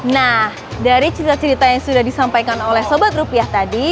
nah dari cerita cerita yang sudah disampaikan oleh sobat rupiah tadi